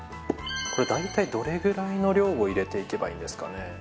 これだいたいどれぐらいの量を入れていけばいいんですかね。